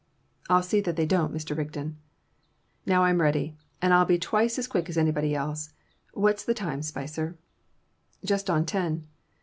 "I'll see that they don't, Mr. Rigden." "Now I'm ready, and I'll be twice as quick as anybody else. What's the time, Spicer?" "Just on ten."